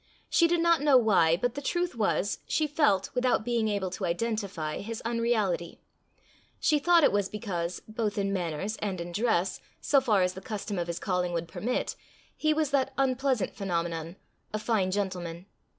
She did not know why, but the truth was, she felt, without being able to identify, his unreality: she thought it was because, both in manners and in dress, so far as the custom of his calling would permit, he was that unpleasant phenomenon, a fine gentleman.